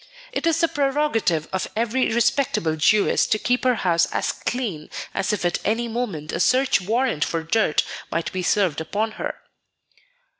It is the prerogative of every respectable Jewess to keep her house as clean as if at any moment a search warrant for dirt might be served upon her.